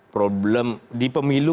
problem di pemilu